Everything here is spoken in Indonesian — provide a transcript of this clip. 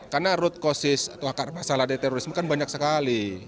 karena root causes atau akar masalah dari terorisme kan banyak sekali